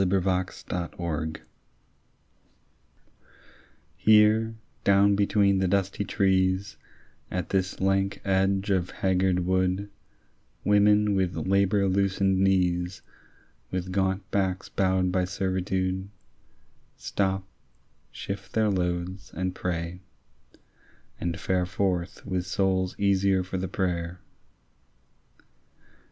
BEFORE A CRUCIFIX HERE, down between the dusty trees, At this lank edge of haggard wood, Women with labour loosened knees, With gaunt backs bowed by servitude, Stop, shift their loads, and pray, and fare Forth with souls easier for the prayer.